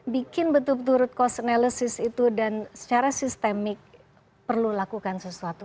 bikin betul betul root cost analysis itu dan secara sistemik perlu lakukan sesuatu